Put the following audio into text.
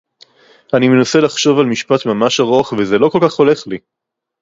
אני מנסה לחשוב על משפט ממש ארוך וזה לא כל כך הולך לי.